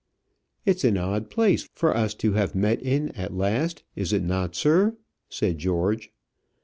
"It's an odd place for us to have met in at last, is it not, sir?" said George.